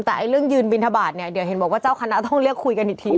แต่เรื่องยืนบินทบาทเนี่ยเดี๋ยวเห็นบอกว่าเจ้าคณะต้องเรียกคุยกันอีกที